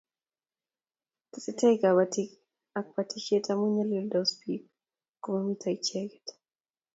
Tesetai kabatik ak batishet amu nyalildos biik ko mamito icheget